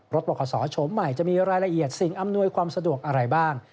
บอกขอสอโฉมใหม่จะมีรายละเอียดสิ่งอำนวยความสะดวกอะไรบ้าง